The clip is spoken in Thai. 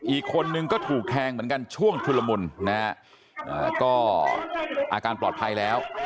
อีกคนนึงก็ถูกแทงเหมือนกันช่วงชุลมุนนะฮะก็อาการปลอดภัยแล้ว